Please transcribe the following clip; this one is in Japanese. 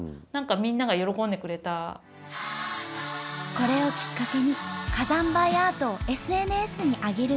これをきっかけに火山灰アートをＳＮＳに上げるように。